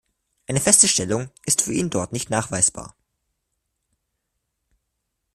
Eine feste Stellung ist für ihn dort nicht nachweisbar.